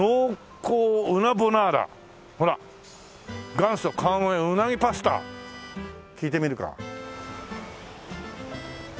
「元祖川越鰻パスタ」聞いてみるか。